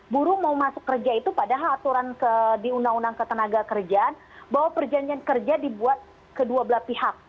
buruh mau masuk kerja itu padahal aturan di undang undang ketenaga kerjaan bahwa perjanjian kerja dibuat kedua belah pihak